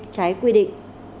trái quy định